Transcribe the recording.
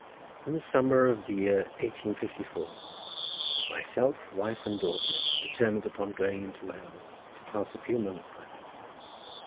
In the summer of the year 1854 myself, wife, and daughter determined upon going into Wales, to pass a few months there.